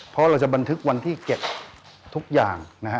เพราะเราจะบันทึกวันที่เก็บทุกอย่างนะฮะ